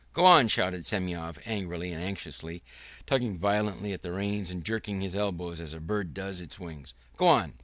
"Go on!" shouted Semyon angrily and anxiously, tugging violently at the reins and jerking his elbows as a bird does its wings. "Go on!"